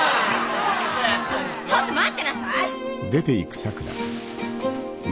ちょっと待ってなさい！